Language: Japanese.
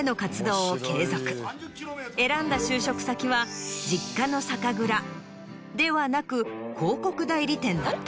選んだ就職先は実家の酒蔵ではなく広告代理店だった。